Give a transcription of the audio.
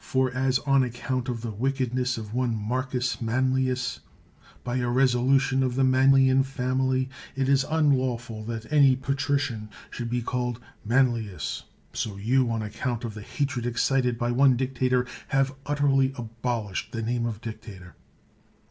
For as, on account of the wickediiess of one Marcus Manlius, by a resolution of the Manlian family it is unlawful that any patrician should be called Manlius, so you, on account of the hatred excited by one dictator, have utterly abolished the name of dictator.